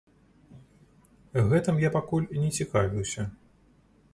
Гэтым я пакуль не цікавіўся.